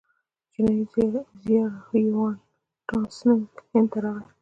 چینایي زایر هیوان تسانګ هند ته راغی.